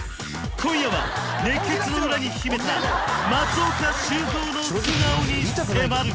今夜は熱血の裏に秘めた松岡修造の素顔に迫る！